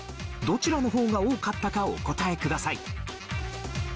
どちらの方が多かったかお答えください。